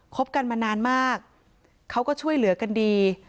บกันมานานมากเขาก็ช่วยเหลือกันดี